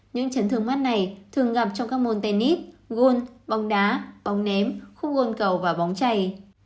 những chấn thương mắt này thường gặp trong các môn tennis gôn bóng đá bóng ném khu gôn cầu và bóng chày